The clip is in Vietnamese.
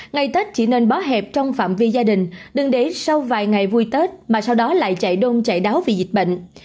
ngày tết chỉ nên bó hẹp trong phạm vi gia đình đừng để sau vài ngày vui tết mà sau đó lại chạy đông chạy đáo vì dịch bệnh